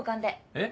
えっ？